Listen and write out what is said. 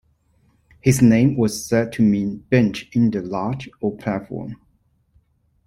His name was said to mean "bench in the lodge or platform".